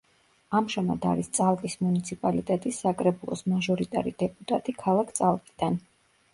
ამჟამად არის წალკის მუნიციპალიტეტის საკრებულოს მაჟორიტარი დეპუტატი ქალაქ წალკიდან.